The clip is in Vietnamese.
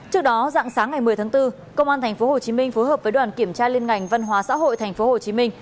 trước đó dặn sáng ngày một mươi tháng bốn công an tp hcm phối hợp với đoàn kiểm tra liên ngành văn hóa xã hội tp hcm